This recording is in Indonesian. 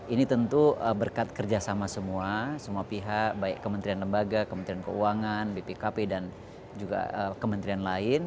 ini tentu berkat kerjasama semua semua pihak baik kementerian lembaga kementerian keuangan bpkp dan juga kementerian lain